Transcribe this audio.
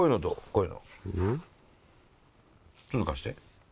ちょっと貸して。